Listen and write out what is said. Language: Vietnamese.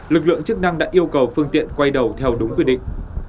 lực lượng chức năng đã yêu cầu phương tiện quay đầu theo đúng quy định